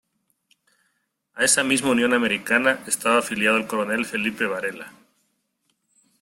A esa misma Unión Americana estaba afiliado el coronel Felipe Varela.